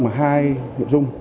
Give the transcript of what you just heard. mà hai nội dung